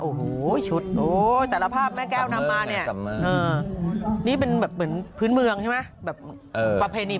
โอ้โหตลอแภบไม่แก้วนำมาเนี่ยเป็นแบบเป็นพื้นเมืองใช่ห์แบบประเพณี